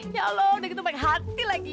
ya allah udah gitu pengen hati lagi